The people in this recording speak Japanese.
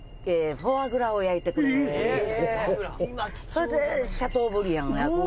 それでシャトーブリアンを焼くみたいな。